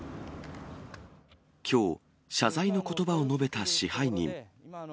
きょう、謝罪のことばを述べた支配人。